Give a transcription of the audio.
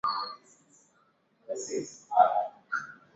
ya Uturuki na Uturuki zinatofautiana na nchi zingine na